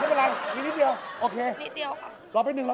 ไม่เป็นไรนิดเดียวโอเคนิดเดียวค่ะ